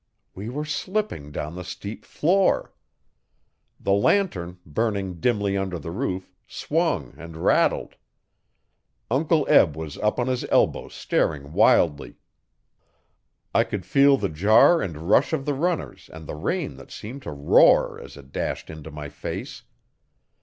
We were slipping down the steep floor. The lantern, burning dimly under the roof, swung and rattled. Uncle Eb was up on his elbow staring wildly. I could feel the jar and rush of the runners and the rain that seemed to roar as it dashed into my face.